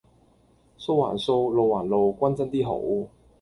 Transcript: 數還數；路還路，均真 D 好